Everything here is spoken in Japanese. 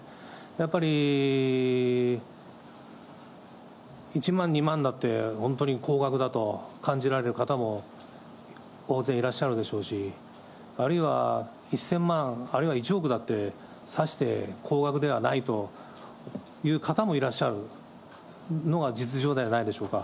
やっぱり１万、２万だって本当に高額だと感じられる方も大勢いらっしゃるでしょうし、あるいは１０００万、あるいは１億だってさして高額ではないという方もいらっしゃるのが実情ではないでしょうか。